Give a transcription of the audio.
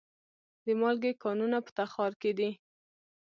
د مالګې کانونه په تخار کې دي